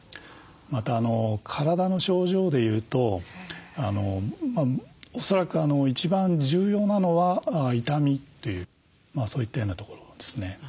また体の症状でいうと恐らく一番重要なのは痛みというそういったようなところですね。